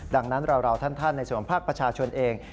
ดังนั้นเราท่านในส่วนภาคประชาชนเอง